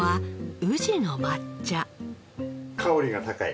香りが高い。